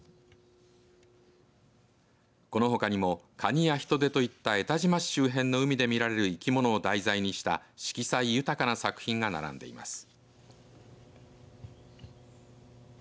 このほかにも、カニやヒトデといった江田島市周辺の海で見られる生き物を題材にした色彩豊かな作品が並んでいます。